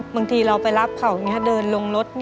บางทีเราไปรับเขาเดินลงรถ